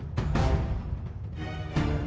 bella gak ada disitu